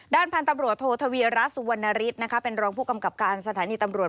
พันธุ์ตำรวจโททวีรัฐสุวรรณฤทธิ์เป็นรองผู้กำกับการสถานีตำรวจ